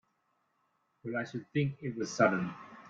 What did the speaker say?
Well I should think it was sudden!